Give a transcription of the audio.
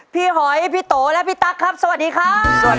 พี่หอยพี่โตและพี่ตั๊กครับสวัสดีครับ